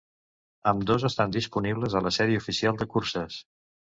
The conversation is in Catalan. Ambdós estan disponibles a la sèrie oficial de curses.